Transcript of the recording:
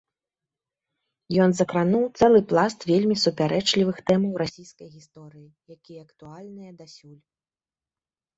Ён закрануў цэлы пласт вельмі супярэчлівых тэмаў расійскай гісторыі, якія актуальныя дасюль.